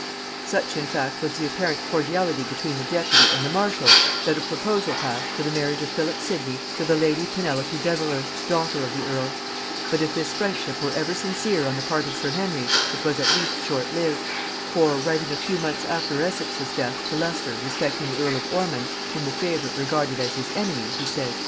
i.] Such in fact was the apparent cordiality between the deputy and the marshal, that a proposal passed for the marriage of Philip Sidney to the lady Penelope Devereux daughter of the earl: but if this friendship were ever sincere on the part of sir Henry, it was at least short lived; for, writing a few months after Essex's death to Leicester respecting the earl of Ormond, whom the favorite regarded as his enemy, he says....